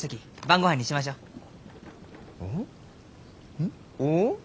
うん？おお？